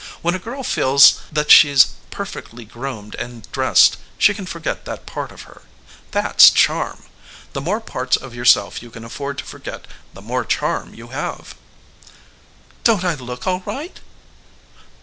When a girl feels that she's perfectly groomed and dressed she can forget that part of her. That's charm. The more parts of yourself you can afford to forget the more charm you have." "Don't I look all right?"